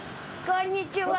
こんにちは。